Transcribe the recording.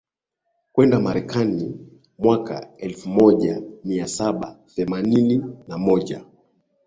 kwenda Marekani Mwaka elfumoja miasaba themanini na moja